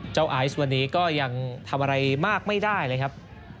ไอซ์วันนี้ก็ยังทำอะไรมากไม่ได้เลยครับ